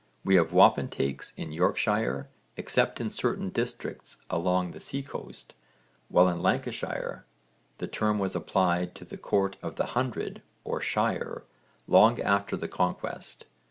We have wapentakes in Yorkshire, except in certain districts along the sea coast, while in Lancashire the term was applied to the court of the hundred or shire long after the Conquest.